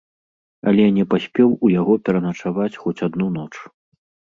Але не паспеў у яго пераначаваць хоць адну ноч.